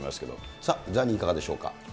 さあ、ザニー、いかがでしょうか。